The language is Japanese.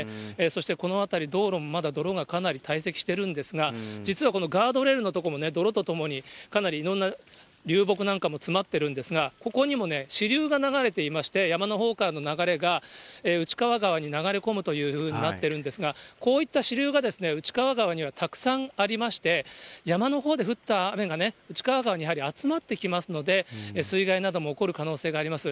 そしてこの辺り、道路もまだ泥がかなり堆積しているんですが、実はこのガードレールの所もね、泥とともにかなりいろんな流木なんかも詰まってるんですが、ここにも支流が流れていまして、山のほうからの流れが内川川に流れ込むというふうになっているんですが、こういった支流が内川川にはたくさんありまして、山のほうで降った雨がね、内川川にやはり集まってきますので、水害なども起こる可能性があります。